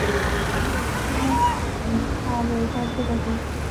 埃里哈为该区的首府。